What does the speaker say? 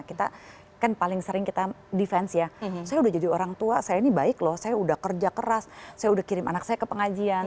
kita kan paling sering kita defense ya saya udah jadi orang tua saya ini baik loh saya udah kerja keras saya udah kirim anak saya ke pengajian